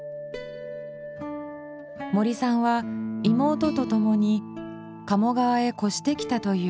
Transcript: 森さんは妹と共に鴨川へ越してきたという。